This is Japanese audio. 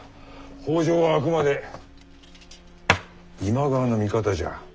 北条はあくまで今川の味方じゃ。